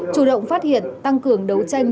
chủ động phát hiện tăng cường đấu tranh